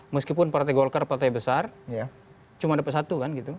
meskipun partai golkar partai besar cuma dapat satu kan gitu